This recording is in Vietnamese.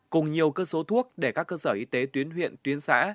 cùng nhiều cơ số thuốc để các cơ sở y tế tuyến huyện tuyến xã